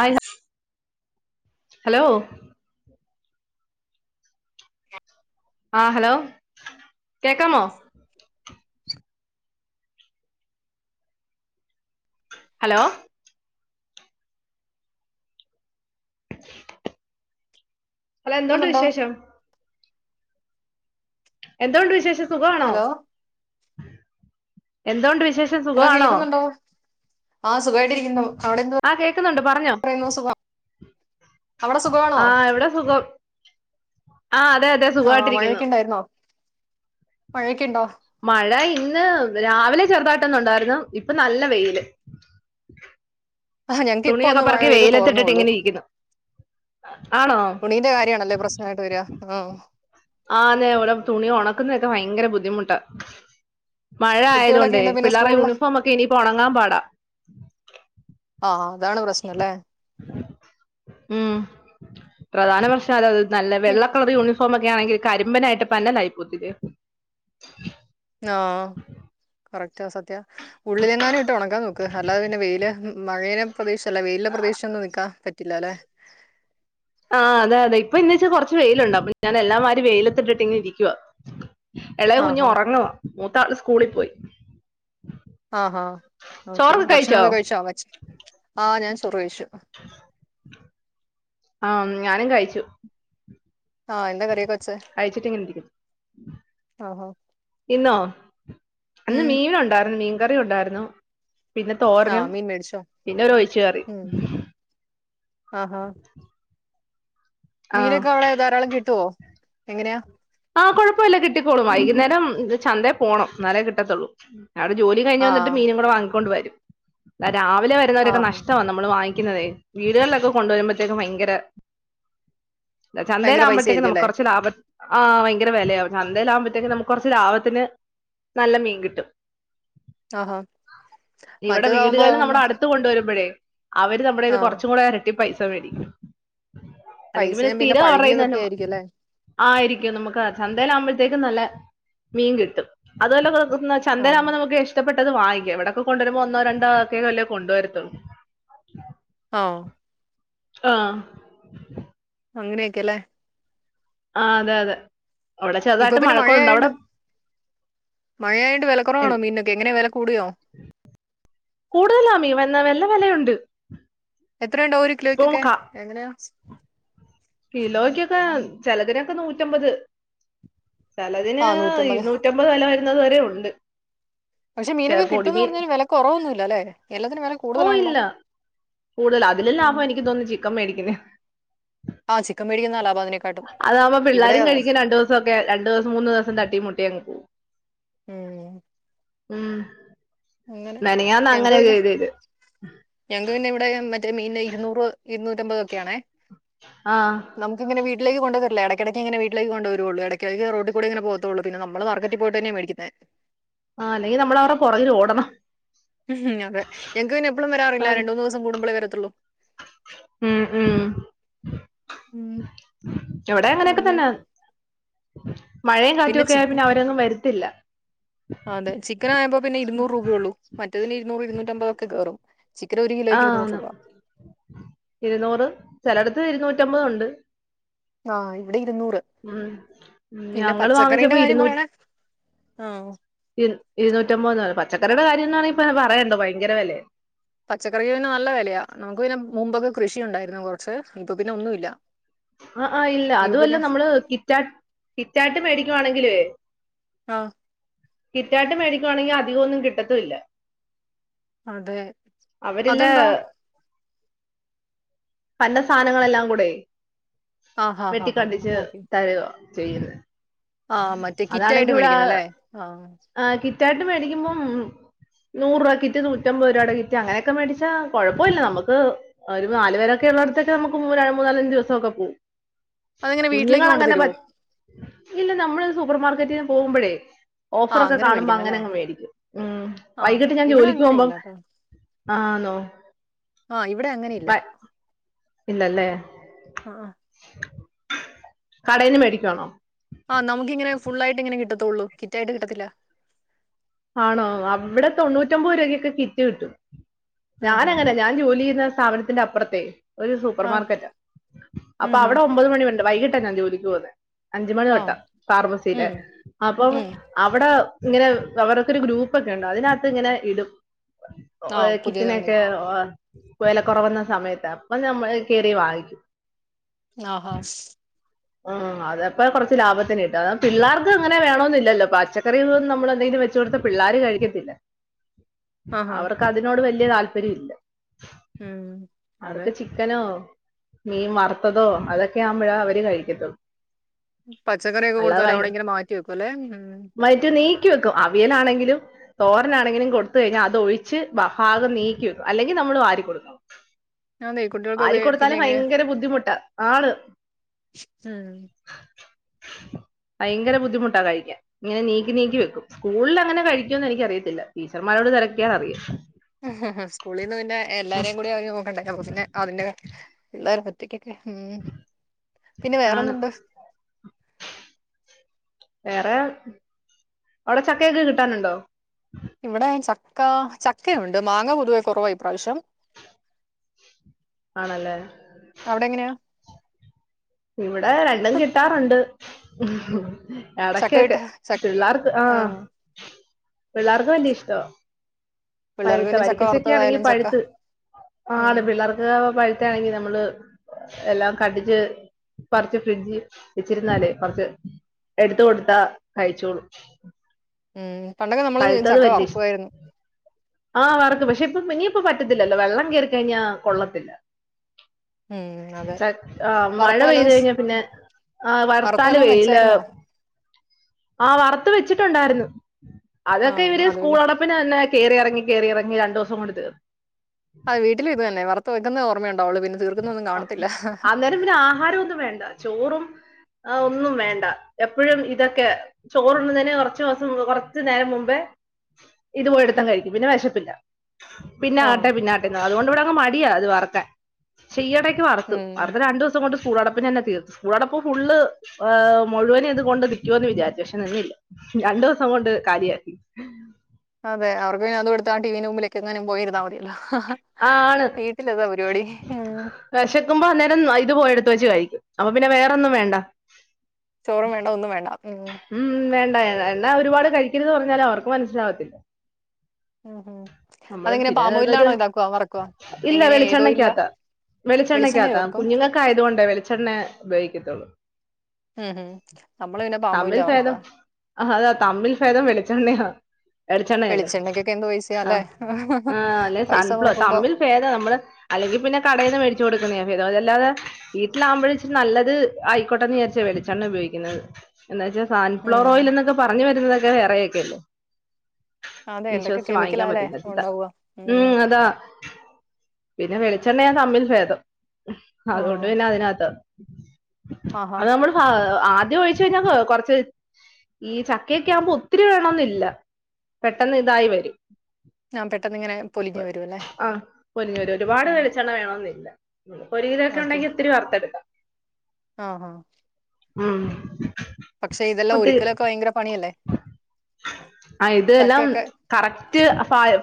ആയി ഹാ ഹലോ ആഹ് ഹലോ കേക്കാമോ ഹലോ ഹലോ എന്തോണ്ട് കേൾക്കുന്നുണ്ടോ വിശേഷം എന്തോണ്ട് വിശേഷം സുഖവാണോ ഹലോ എന്തൊണ്ട് വിശ് വിശേഷം ഹലോ സുഖമാണോ കേൾക്കുന്നുണ്ടോ ആ സുഖമായിട്ടിരിക്കുന്നു അവിടെ എന്തുവാ ആ കേക്കുന്നുണ്ട് പറഞ്ഞോ പറയുന്നു സുഖ അവിടെ സുഖവാണോ ആ ഇവിടെ സുഖം ആ അതെ അതെ ആഹ് സുഖമായിട്ടിരിക്കുന്നു മഴയൊക്കെ ഉണ്ടായിരുന്നോ മഴയൊക്കെ ഇണ്ടോ മഴ ഇന്ന് രാവിലെ ചെറുതായിട്ടൊന്നുണ്ടായിരുന്നു ഇപ്പൊ നല്ല വെയില് ആഹ് ഞങ്ങക്ക് ഇപ്പ തുണിയൊക്കെ ഒന്ന് മഴ പറക്കി പെയ്ത് വെയിലത്തിട്ടിട്ട് തോർന്നോള്ളു ഇങ്ങനെ ഇരിക്കുന്നു ആണോ തുണീന്റെ കാര്യണല്ലേ പ്രശ്നമായിട്ട് വരിക ആഹ് ആന്നേ ഇവിടെ തുണി ഉണക്കുന്നൊക്കെ ഭയങ്കര ബുദ്ധിമുട്ടാ മഴ കുട്ടികളൊക്കെ ആയതൊണ്ട് ഉണ്ട് പിന്നെ പിള്ളേരെ സ്കൂളിലെ യൂണിഫോം ഒക്കെ ഇനി ഉണങ്ങാൻ പാടാ ആ അതാണ് പ്രശ്നം ല്ലേ ഉം പ്രധാന പ്രശ്നം അതത് നല്ല വെള്ള കളർ യൂണിഫോം ഒക്കെ ആണെങ്കിൽ കരിമ്പനായിട്ട് പന്നലായി പോവത്തില്ലയോ ആഹ് കറക് [unintelligible] ഉള്ളിലെങ്ങാനും ഇട്ട് ഉണക്കാൻ നോക്ക് അല്ലാതെ പിന്നെ വെയില് മ് മഴനെ പ്രദീക്ഷിച്ചല്ല വെയിലിനെ പ്രദീക്ഷിച്ചൊന്നും നിക്കാ പറ്റ് ഇട്ടില്ലല്ലേ ആ അതെ അതെ ഇപ്പ ഇന്ന് വെച്ചാ കൊറച്ച് വെയിലുണ്ട് അപ്പൊ ഞാൻ എഴാം വാരി വെയിലത്ത് ഇട്ടിട്ട് ഇങ്ങെനെ ഇരിക്കുവ എളയ കുഞ്ഞു ആഹാ ഒറങ്ങുവാ മൂത്താള് സ്കൂളിപ്പോയി ആ ഹാ ഒക്കെ ഭക്ഷണക്കെ കഴിച്ചോ വച്ച് ആ ഞാൻ റ് കഴിച്ചു അം ഞാനും കഴിച്ചു ആ എന്താ കറിയൊക്കെ വെച്ചേ കഴിച്ചിട്ട് ഇങ്ങനെ ഇരിക്കുന്നു ആഹാ ഇന്നോ ന്ന് ഉം മീനു ണ്ടയിര്ന്നു മീൻ കറി ഉണ്ടായിര്ന്നു പിന്നെ ആഹ് തോരനും മീൻ മേടിച്ചോ പിന്നെ ഒരുഒഴിച് കറിയും ആ ഹ ആഹ് മീനൊക്കെ അവ്ടെ ധാരാളം കിട്ടോ എങ്ങനെയാ ആഹ് കുഴപ്പോല്ല കിട്ടിക്കോളും വൈകുന്നേരം ചന്തേ പോണം ന്നാലെ കിട്ടത്തുള്ളൂ അവ്ടെ ജോലികഴിഞ് വന്നിട്ട് ആഹ് മീനും കു‌ടെ വങ്ങിക്കൊണ്ട് വരും രാവിലെ വരുന്നവരൊക്കെ ആഹ് നഷ്ട്ടവാ നമ്മൾ വാങ്ങി ക്കുന്നതെ വീടുകൾലൊക്കെ കൊണ്ടുവരുമ്പത്തേക്കും വയങ്കര എ ഭയങ്കര പൈസ ചന്തേലാവുമ്പത്തേക്ക് ആയിരിക്കും നുക്ക് അല്ലേ കൊറച്ച് ലാഭ ആ വയങ്കര വെലയാവും ചന്തേലാഉമ്പത്തേക്കും നമുക്ക് കൊർച്ച് ലാഭത്തിന് നല്ല മീൻ കിട്ടും ആഹാ ഇവടെ മറ്റേതാവുമ്പോ വീടുകളിൽ നമ്മുടെ മറ്റേ അടുത്ത് കൊണ്ടുവരുമ്പോഴേ അവര് നമ്മുടെയ്ന്ന് ആഹ് കുറച്ചും കൂടെ ഇരട്ടി പൈസ [unintelligible] അല്ലെങ്കിൽ പിന്നെ പൈസയും സ്ഥിരം പഴകിയതൊക്കെ അവരെകയ്യിനന്നെ ആയിരിക്കും അല്ലേ ആയിരി നമുക്ക് ചന്തയിലാ ആകുമ്പഴത്തേക്കും നല്ല മീൻ കിട്ടും അതുല ആഹ് ചന്തേലക്കുബോൾ നമുക്ക് ഇഷ്ടപ്പെട്ട ഇത് വാങ്ങിക്ക ഇവിടൊക്കെ കൊണ്ടുവരുമ്പോ ഒന്നോ രണ്ടോ വല്ലേ കൊണ്ടുവരത്തുള്ളൂ അ ആ അങ്ങനെയൊക്കെ ല്ലേ ആ അതെ അതെ അവിടെ ഇപ്പൊ ചെറുതായിട്ട് പിന്നെ മഴക്കുണ്ട് മഴയായോണ്ട് അവിടെ മഴയായോണ്ട് എൻ വിലക്കുറവാണോ മീനിനൊക്കെ എങ്ങനെ വില കൂടിയോ കൂടുതലാ മീൻ വെണ്ണ വലയുണ്ട് ട്ട് എത്രുണ്ടോ ഒരോ കിലോയ്ക്കൊക്കെ എങ്ങനെയാ കിലോക്കൊക്കെ ചിലതിനൊക്കെ നൂറ്റമ്പത് ചെലതിന് ആഹ് നൂറ്റമ്പത് ഇരുന്നൂറ്റിമ്പത് വെലവരും ഇന്നത്‌ വരെ ഒണ്ട് പക്ഷെ മീനൊക്കെ കിട്ടുന്ന് പറഞ്ഞാലും വെല കൊറവൊന്നു ഇല്ലാല്ലെ എല്ലത്തിനും വെല ഓ കൂടുതലാണല്ലോ ഇല്ല കൂടുതൽ അതിലും ഉം ലാഭം എനിക്ക് തോന്നുന്നു ചിക്കൻ മേടിക്കുന്നേ ആഹ് ചിക്കൻ മേടിക്ക്ന്ന ആളാ അതാവുമ്പോ പിള്ളാരും കഴിക്കും രണ്ടു ദിവസൊക്കെ രണ്ടു ദിവസം മൂന്ന് ദിവസം തട്ടി മുട്ടിയങ്ങ് പോവും ഉം ഉം അങ്ങനെ മെനയാന്ന് ഞങ്ങക്ക് അങ്ങനെ പിന്നെ ചെയ്തേത് ഞങ്ങക്ക് പിന്നെ ഇവിടെ ഇമ്മ മറ്റേ മീന് ഇരുന്നൂറ് ഇരുന്നൂറ്റമ്പതൊക്കെയാണേ ആഹ് നമുക്ക് പിന്നെ വീ ട്ടിലേക്ക് കൊണ്ട് തരില്ല. എടക്ക് എടക്കിങ്ങനെ വീട്ടിലേക്ക് കൊണ്ടുവരുവോള്ളു. എടക്ക് എടക്ക് റോഡ്ക്കൂടെ ഇങ്ങനെ പോവത്തോള്ളു പിന്നെ നമ്മള് മാർക്കറ്റ് പോയിട്ടെന്നെ മേടിക്ക്ന്നെ ആഹ് അല്ലെങ്കി നമ്മളാവരെ പൊറകില് ഓടണം ഉം അതെ ഞൾക്ക് പിന്നെ എപ്പളും വരാറില്ല രണ്ടുമൂന്ന് ദിവസം കൂടുമ്പോയേ വര [unintelligible] ഉം ഉം ഉം, ഇവിടെ അങ്ങനെയൊക്കെ അങ്ങനെ തന്നാ പിന്നെ ചിക്കൻ വരത്തില്ല അതെ ചിക്കൻ ആയപ്പോൾ പിന്നെ ഇരുന്നൂറ് രൂപയോള്ളൂ മേറ്റതിന് ഇരുന്നൂറ് ഇരുന്നൂറ്റമ്പതൊക്കെ കെയറും ആഹ് ഇരുന്നൂറ് ചെലടത് ചെടത് ഇരുന്നൂറ്റമ്പത് ഉണ്ട് ആഹ് ഹും ഹും ഞങ്ങള് പച്ചക്കറീന്റെ വാങ്ങിച്ചപ്പോ കാര്യം ഇരുന്നൂ പറയണേ ആ ഇരു ഇരുന്നൂറ്റമ്പത് പച്ചക്കറിന്റെ കാര്യം ആണെങ്കിൽ ഇനി പറയേണ്ടാ ഭയങ്കര വെലയാണ് പച്ചക്കറിക്ക് പിന്നെ നല്ല വിലയാ നമുക്ക് പിന്നെ മുമ്പൊക്കെ കൃഷി ഉണ്ടായിരുന്നു കുറച്ച് ഇപ്പ പിന്നെ ഒന്നൂല്ല ആഹ് ആഹ് ഇല്ല അതുവല്ല നമ്മള് കിറ്റാ കിറ്റായിട്ട് മേടിക്കുവാണെങ്കിലേ ആ കിറ്റാട്ട് മേടിക്കുവാണെങ്കി അധികൊന്നും കിട്ടത്തുല്ല അതെ അവരില്ല അതെന്താ പന്ന സാധനങ്ങളെല്ലാം കൂടെ ആഹ് ഹാ ഹാ ഹാ വെട്ടിക്കണ്ടിച്ച് ഓക്കെ തര് ആ ചെയ്യത് ആഹ് മറ്റേ കിറ്റായിട്ട് മേടിക്കുന്ന അല്ലേ ആഹ് ആ കിറ്റായിട്ട് മേടിക്കുമ്പം നൂറ് രൂപകിറ്റ്, നൂറ്റമ്പത് രൂപടെ കിറ്റ് അങ്ങനെയൊക്കെ മേടിച്ചാ കൊഴപ്പല്ല നമ്മക്ക് ഒരു നാല് പേരൊക്കെ ഉള്ളേട്തൊക്കെ നമ്മക്ക് മൂനാലഞ്ച് ദിവസൊക്കെ പോവും അതെങ്ങനെ വീട്ടിലേക്ക് കൊണ്ട് കുഞ്ഞുങ്ങളങ്ങനെ പ തരുവോ ഇല്ല നമ്മള് സൂപ്പർ മാർക്കറ്റീന്ന് പോകുമ്പളേ ആഹ് ഓഫറൊക്കെ കാണുമ്പോ അങ്ങനെ മേടിക്കുന്നല്ലേ അങ്ങ് മേടിക്കും ഊം ആഹ് വൈകിട്ട് ഞാൻ ഇവിടെ ജോലിക്ക് അങ്ങനെ പോകുമ്പം ഇല്ലാട്ടോ ആണോ ആഹ് ഇവിടെ അങ്ങനെ ഇല്ല വ ഇല്ലല്ലേ ആഹ് ആഹ് കടേന്ന് മേടിക്വാണോ കത്തള്ളൂ കിറ്റായിട്ട് കിട്ടത്തില്ല ആണോ അവിടെ തൊണ്ണൂറ്റൊമ്പത് രൂപക്കൊക്കെ കിറ്റ് കിട്ടും ആഹാ ഞാനങ്ങനെ ഞാൻ ജോലി ചെയ്യ്ന്ന സ്ഥാപനത്തി അപ്പറത്തെ ഒരു സൂപ്പർ ആഹ് മാർക്കറ്റാ ഉം അപ്പൊ ഉം അവിടെ ഒമ്പത് മണി വരെണ്ട്‌ വൈകിട്ട് ന്നാ ജോലി പോകുന്നത് അഞ്ച മണി ആഹ് തൊട്ടാ ഫാർമസീല് ഉം അപ്പം ഉം അവ്ടെ ഇങ്ങനെ വ് അവരൊക്കെ ഒരു ഗ്രൂപ്പൊക്കെ ഉണ്ട് അതിനകത്ത് ഇങ്ങനെ ഇടും ആഹ് ഹോയ് പുതിയതുണ്ട് കിറ്റിനൊക്കെ ഹോയ് വെല കുറവന്ന സമയത്ത് അപ്പൊ നമ്മള് കേറി വാങ്ങിക്കും ആഹ് ഹാ ആഹ് അതപ്പോ കുറച്ച് ലാഭത്തിന് കിട്ടും പിള്ളാർക്ക് അങ്ങനെ വേണന്നില്ലല്ലോ പച്ചക്കറികന്നും നമ്മളെന്തങ്കിലും വെച്ചുകൊടുത്താ പിള്ളാര് കഴിക്കത്തില്ല ആഹാ അവർക്ക് അതിനോട് വല്ല്യ താല്പര്യം ഇല്ല ഉം അതെ ആർക്ക് ചിക്കനോ മീൻ വറുത്തതോ അതൊക്കയാവുമ്പഴ് അവര് കഴി [unintelligible] പച്ചക്കറിയൊക്കെ അല്ലാതെ കൊടുത്താല് വൈ അവിടെ ഇങ്ങനെ മാറ്റി വെക്കുംല്ലേ ഉം വയറ്റി നീക്കി വെക്കും അവിയലാണെങ്കിലും തോരനാണെങ്കിലും കൊടുത്തുകഴിഞ്ഞ അതൊഴിച്ച് അ ഭാഗം നീക്കി വെക്കും അല്ലെങ്കിൽ നമ്മള് വാരി കൊടുക്കണം അതെ വാരി കുട്ടികൾക്കൊക്കെ പിന്നെ കൊട്ത്താലും എങ്ങനെ ഭയങ്കര ബുദ്ധിമുട്ട ആള് മ് ഭയങ്കര ബുദ്ധിമുട്ടാ കഴിക്കാൻ ഇങ്ങനെ നീക്കി നീക്കി വെക്കും സ്കൂളിലെങ്ങനെ കഴിക്കുംന്ന് എനിക്കറിയത്തില്ല ടീച്ചർമാരോട് തെരക്കിയാൽ അറിയും ഉമ്ഹുംഹും സ്കൂളിൽ നിന്ന് പിന്നെ എല്ലാരേം കൂടെ അവര് നോക്കണ്ടേ അപ്പ പിന്നെ അതിന്റെ പി പിന്നെ ആണ് വേറെന്തുണ്ട് വേറെ അവിടെ ചക്കയൊക്കെ കിട്ടാനുണ്ടോ ഇവിടെ ചക്ക ചക്കുയു ത് മാങ്ങ പൊതുവേ കുറവാ ഇപ്രാവശ്യം ആണല്ലേ അവിടെ എങ്ങനെയാ ഇവിടേ രണ്ടും കിട്ടാറുണ്ട് [unintelligible] ചക്ക എടയ്ക്കൊക്കെ കിട്ടാ ചക്ക പിള്ളേർക്ക് ആ ആഹ പിള്ളാർക്ക് വല്ല്യ ഇഷ്ടവ പിള്ളേർക്ക് പഴുത്ത പിന്നെ ചക്ക വരിക്കച്ചക്കയാണെങ്കി വറുത്തതായാലും ചക്ക പഴുത്ത് ഉം ആന്ന് പിള്ളാർക്ക് പഴ്‌ത്തെയാണെങ്കി മ്മള് എല്ലാം കണ്ടിച്ച് പറിച്ച് ഫ്രിഡ്ജീ വെച്ചിരുന്നാലേ കൊറച്ച് എടുത്ത് കൊടുത്താ കഴിച്ചോളും. മ് പണ്ടൊക്കെ നമ്മള് ചക്ക വറക്കുവായിരുന്നു. ആ വറ്ക്കും പക്ഷെ ഇപ്പം ഇനിയിപ്പ പറ്റത്തില്ലല്ലോ വെള്ളം കേറിക്കഴിഞ്ഞാ കൊള്ളത്തില്ല. ഉം അതെ ആ മഴ വറുത്ത പെയ്ത് വല്ലതും സ് കഴിഞ്ഞാ പിന്നെ ആ വറുത്ത വർത്താലുമേ വല്ലതും ല് വെച്ചായിരുന്നോ ആ വറുത്ത് വെച്ചിട്ടൊണ്ടായിരുന്നു. ആ അതൊക്കെ ഇവര് അത് പിന്നെ സ്കൂളടപ്പിന് തന്നെ കേറിയെറങ്ങി കേറിയെറങ്ങി രണ്ടൂസം കൊണ്ട് തീർ അത് വീട്ടില് ഇതു തന്നെ വറുത്തു വെക്കുന്നേ ഓ അന്നേരം പിന്നെ ആഹാരവൊന്നും വേണ്ട ചോറും ആ ഒന്നും വേണ്ട എപ്പഴും ഇതൊക്കെ ചോറുണ്ണുന്നതിന് കുറച്ചുസം കൊറച്ച്നേരം മുമ്പേ ഇത് പോയെടുത്തങ്ങ് കഴിക്കും പിന്നെ വിശപ്പില്ല. ആ പിന്നാവട്ടേ പിന്നാവട്ടെന്ന് പറയും അതുകൊണ്ട് ഇവിടങ്ങ് മ ടിയ അത് വറ്ക്കാൻ. ചെ ഈയെടേക്ക് വറുത്തു ഉം വറുത്തത് രണ്ടൂസം കൊണ്ട് സ്കൂളടപ്പിന തന്നെ തീർത്തു സ്കൂൾ അടപ്പ് ഫുള്ള് മുഴുവനും ഇത് കൊണ്ട് നിൽക്കുവന്ന് വിചാരിച്ചു പക്ഷെ നിന്നില്ല രണ്ടു ദിവസം കൊണ്ട് കാലിയാക്കി. അതെ അവർക്ക് അത് എടുത്ത ആ ടിവിന്റെ മുൻപിലെക്കെങ്ങനും പോയിരുന്നാ മതിയല്ല. ആ ആണ്. ഉം വെശക്കുമ്പോ അന്നേരം ന്ന ഇത് പോയെടുത്ത് വെച്ച് കഴി ക്കും. അപ്പൊ പിന്നെ വേറൊന്നും വേണ്ട ചോറും വേണ്ട ഒന്നും വേണ്ട ഉം രെണ്ണ ഒരുപാട് കഴിക്കരുന്ന് പറഞ്ഞാല് അവർക്ക് മനസ്സിലാവത്തില്ല ഉഹും നമ്മള് അതെങ്ങനെ പിന്നെ ഒരു പാമോയിലാണോ ഇണ്ടാക്കുക ഇല്ല വെളിച്ചെണ്ണക്കാത്ത വെളിച്ചെണ്ണ വെളിച്ചെണ്ണക്കാത്ത വറക്കും കുഞ്ഞുങ്ങക്ക് ആയതുകൊണ്ട് വെളിച്ചെണ്ണേ ഉപയോഗിക്കത്തൊള്ളൂ ഉഹും നമ്മള് പിന്ന പാമോയിൽലാ വറക്കുക. ആ അതാ തമ്മിൽ ഫേദം വെളിച്ചെണ്ണയാ വെളിച്ചെണ്ണയല്ലേ വെളിച്ചെണ്ണക്കൊക്കെ എന്ത് പൈസയാല്ലേ ആഹ് ആഹ് അല്ലെ പൈസ കൊ സൺഫ്ലവർ തമ്മിൽ ഫേദം നമ്മള് അല്ലെങ്കി പിന്നെ കടയി നിന്ന് മേടിച്ചു കൊടുക്കണം [unintelligible] അല്ലാതെ വീട്ടിലാകുമ്പഴ് ഇച്ചിര് നല്ലത് ആയിക്കോട്ടന്ന് വിചാരിച്ച വെളിച്ചെണ്ണ ഉപയോഗിക്കുന്നത് എന്ന് വെച്ചാ ഉം സൺഫ്ലവറോയിൽ എന്നൊക്കെ പറഞ്ഞു വരുന്നതക്കെ വേറെയൊക്കെയല്ലേ അതെ എന്തൊക്കെ വിശ്വസിച്ച് വാങ്ങിക്കാൻ കെമിക്കലാല്ലേ പറ്റില്ല ഉണ്ടാവുക ഉം പിന്നെ വെളിച്ചെണ്ണയാ തമ്മിൽ ഭേദം ആ അതുകൊണ്ട് പിന്നെ അതിനകത്ത് ആഹാ അത് നമ്മള് ഫ ആദ്യം ഒഴിച്ച് കഴിഞ്ഞാ കൊർച്ച് ഈ ചക്കയൊക്കെ ആവുമ്പോ ഒത്തിരി വേണന്നില്ല പെട്ടന്ന് ഇതായി വരും ആ പെട്ടെന്ന് ഇങ്ങനെ പൊലിഞ്ഞു വരുവല്ലോ ആഹ് പൊരിഞ്ഞൊരു ഒരുപാട് വെളിച്ചെണ്ണ വേണമെന്നില്ല ഒരു കിലോ ഒക്കെ ഉണ്ടെങ്കിൽ ഒത്തിരി വർത്തു എടുകാം ആഹ് ഹാ ഉം [unintelligible] ഒരുക്കലൊക്കെ ഭയങ്കര പണിയല്ലേ ഇതെല്ലാം ചക്കയൊക്കെ കറക്റ്റ്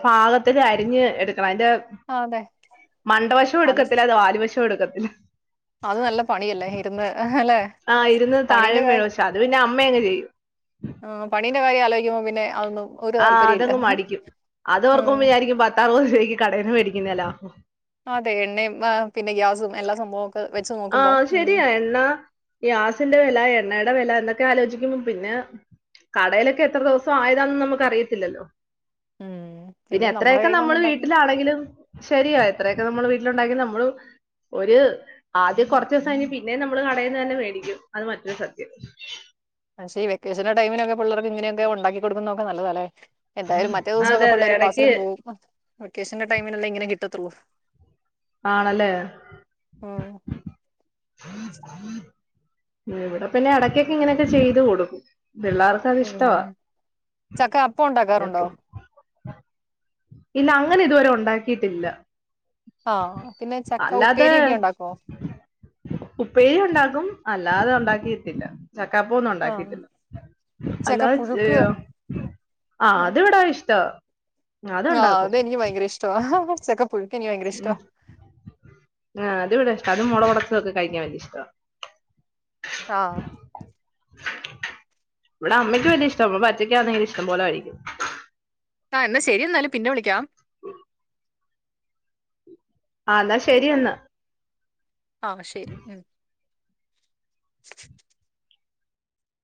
പാകത്തില് അരിഞ്ഞ് എടു അതിന്റെ ആ അതെ മണ്ടവശവും എടുക്കത്തില്ല അത് വാലുവശവും എടുക്കത്തില്ല ഇല്ല അത് നല്ല പണിയല്ലേ ഇരുന്ന് അല്ലെ ആഹ് ഇരുന്ന് പണീന്റെ കാര്യം [unintelligible] അത് പിന്നെ അമ്മ അങ്ങ് ചെയ്യും ആ പണീന്റെ കാര്യം ആലോചിക്കുമ്പോ പിന്നെ അതൊന്നും ഒരു അഹ് താല്പര്യം അത് ഇല്ല അങ്ങ് മടിക്കും അത് ഓർക്കുമ്പോ ഉം വിചാരിക്കും പത്തറുപത് രൂപയ്ക്ക് കടയിന്ന് മേടിക്കു [unintelligible] അതെ എണ്ണയും പിന്നെ ഗ്യാസും എല്ലാം ആഹ് അത് ശരിയാ എണ്ണ ഗ്യാസിന്റെ വില എണ്ണ എണ്ണടെ വില എന്നൊക്കെ ആലോചിക്കുമ്പോ പിന്നെ കടയിലൊക്കെ എത്ര ദിവസം ആയതാന്നെന്ന് നമുക്ക് അറിയത്തില്ലല്ലോ ഉം. പിന്നെ നമ്മടെ എത്രയൊക്കെ നമ്മൾ കൈകൊണ്ടുണ്ടാക്കും. വീട്ടിലാണെങ്കിലും ശരിയായി അത്രയൊക്കെ നമ്മള് വീട്ടിലുണ്ടാക്കി നമ്മള് ഒരു ആദ്യം കുറച്ച് ദിവസം കഴിഞ്ഞു പിന്നെ നമ്മള് കടയിൽന്ന് തന്നെ മേടിക്കും അത് മറ്റൊരു സത്യം പക്ഷേ ഈ വെക്കേഷന്റെ ടൈമിനൊക്കെ പിള്ളേർക്ക് ഇങ്ങനെയൊക്കെ ഉണ്ടാക്കി കൊടുക്കുന്നൊക്കെ നല്ലതാല്ലേ എന്തായാലും മറ്റേ അതെ ദിവസൊക്കെ അതെ പിള്ളേര് എടക്ക് ക്ലാസ്സിലും പോവും വെക്കേഷന്റെ ടൈമിനല്ലേ ഇങ്ങനെ കിട്ടത്തുള്ളൂ ആണല്ലേ ഉം. ഇവിട പിന്നെ എടക്കൊക്കെ ഇങ്ങനെയൊക്കെ ചെയ്ത് കൊടുക്കും പിള്ളേർക്ക് അത് ഉം ഇഷ്ടവാ ചക്ക അപ്പം പിന്നെ ഉണ്ടാക്കാറുണ്ടോ? പു- ഇല്ല അങ്ങനെ ഇതുവരെ ഉണ്ടാക്കിയിട്ടില്ല ആഹ് പിന്നെ ചക്ക അല്ലാതെ ഉപ്പേരിയൊക്കെ ഉണ്ടാക്കോ? ഉപ്പേരി ഉണ്ടാക്കും അല്ലാതെ ഉണ്ടാക്കിയിട്ടല്ല ചക്കപ്പം ഒന്നും ആഹ്. ഉണ്ടാക്കിട്ടില്ല ചക്ക അല്ലാതെ ഇ പുഴുക്ക് അത് ഇവടാ ഇഷ്ടവാ ആ അതുണ്ടാക്കും അതെനിക്ക് ഭയങ്കര ഇഷ്ടമാണ് ചക്കപു ഉം ആ അതവിടെ ഇഷ്ടാഅത് മുള കൊട ഒക്കെ കഴിക്കാൻ വേണ്ടി ഇഷ്ടോ ആഹ്. ഇവിടെ അമ്മയ്ക്ക് വലിയ ഇഷ്ടമാ പച്ചക്ക അന്നെങ്കിലും ഇഷ്ടം പോലെ കഴിക്കും ആ എന്നാ ശരിയ എന്നാലും പിന്നെ വിളിക്കാം ആല്ലാ ശരിയന്ന് ആ ശെരി ഉം